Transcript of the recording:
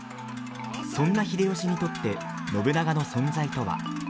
そんな秀吉にとって信長の存在とは。